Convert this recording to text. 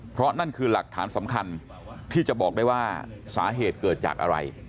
เพราะนั่นคือหลักฐานสำคัญที่จะบอกได้ว่าสาเหตุเกิดจากอะไร